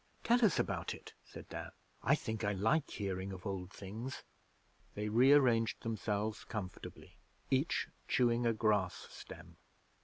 'Tell us about it,' said Dan. 'I think I like hearing of Old Things.' They rearranged themselves comfortably, each chewing a grass stem.